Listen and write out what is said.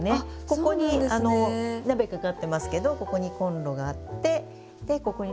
ここに鍋かかってますけどここにコンロがあってでここに水道があって。